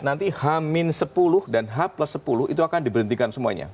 nanti h sepuluh dan h sepuluh itu akan diberhentikan semuanya